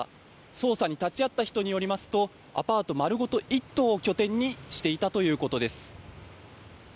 捜査に立ち会った人によりますとアパート丸ごと１棟を拠点にしていたということです。